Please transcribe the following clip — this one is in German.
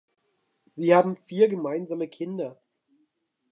Sie haben vier gemeinsame Kinder.